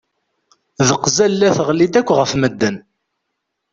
Deqzalla tɣelli-d akk ɣef medden.